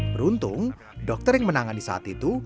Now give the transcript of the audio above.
beruntung dokter yang menangani saat itu